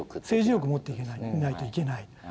政治力持っていないといけない。